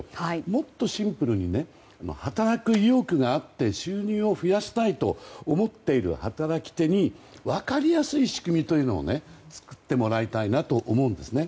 もっとシンプルに働く意欲があって収入を増やしたいと思っている働き手に分かりやすい仕組みというのを作ってもらいたいと思いますね。